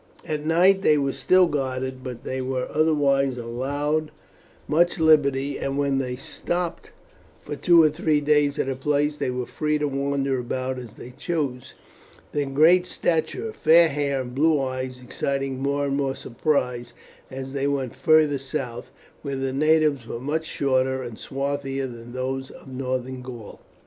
At night they were still guarded, but they were otherwise allowed much liberty, and when they stopped for two or three days at a place they were free to wander about as they chose, their great stature, fair hair, and blue eyes exciting more and more surprise as they went farther south, where the natives were much shorter and swarthier than those of northern Gaul.